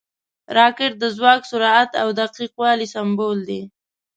راکټ د ځواک، سرعت او دقیق والي سمبول دی